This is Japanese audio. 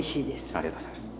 ありがとうございます。